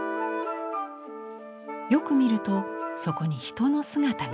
よく見るとそこに人の姿が。